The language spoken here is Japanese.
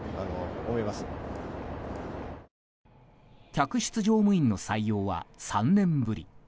客室乗務員の採用は３年ぶり。